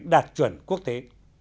đạt chuẩn quốc tế